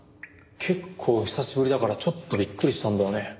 結構久しぶりだからちょっとびっくりしたんだよね。